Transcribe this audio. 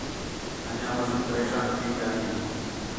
انڄیاں مزید پریشان تھی ڳِیا ہیں